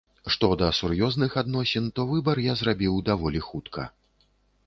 Што да сур'ёзных адносін, то выбар я зрабіў даволі хутка.